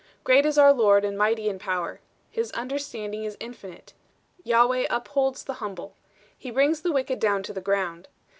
Great is our Lord, and mighty in power; his understanding is infinite. The Lord upholdeth the meek; he bringeth the wicked down to the ground.